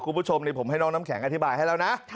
คุณผู้ชมนี่ผมให้น้องน้ำแข็งอธิบายให้แล้วนะ